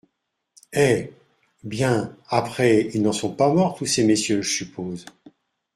Eh ! bien, après, ils n’en sont pas morts, tous ces messieurs, je suppose !